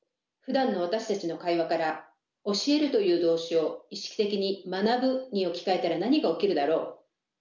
ふだんの私たちの会話から「教える」という動詞を意識的に「学ぶ」に置き換えたら何が起きるだろう？